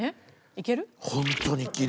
いける？